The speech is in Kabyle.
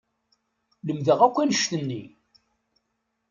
Lemdeɣ akk annect-nni.